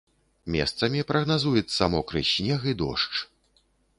Месцамі прагназуецца мокры снег і дождж.